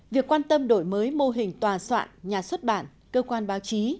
việc quan tâm đổi mới mô hình tòa soạn nhà xuất bản cơ quan báo chí